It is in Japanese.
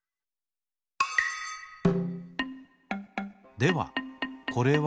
ではこれは？